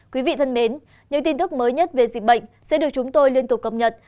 quý vị thân mến những tin tức mới nhất về dịch bệnh sẽ được chúng tôi liên tục cập nhật